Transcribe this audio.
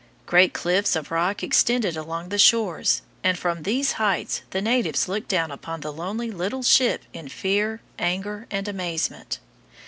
Great cliffs of rock extended along the shores, and from these heights the natives looked down upon the lonely little ship in fear, anger, and amazement.